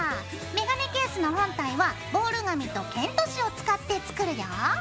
メガネケースの本体はボール紙とケント紙を使って作るよ。